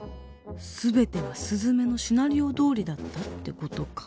全てはすずめのシナリオどおりだったって事か。